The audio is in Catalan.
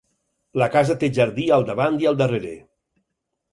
La casa té jardí al davant i al darrere.